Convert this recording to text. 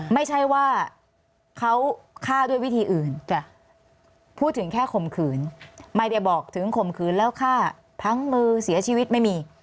ไม่ใช่ว่าเขาฆ่าด้วยวิธีอื่นพูดถึงแค่ข่มขืนไม่ได้บอกถึงข่มขืนแล้วฆ่าพังมือเสียชีวิตไม่มี